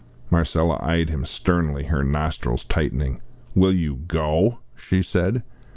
Marcella eyed him sternly, her nostrils tightening. "Will you go?" she said.